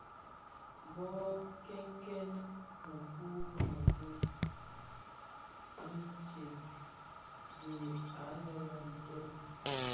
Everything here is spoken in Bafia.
Bō kènkèn mëkun bi mëkun, wutsem dhi nlami a ntoo.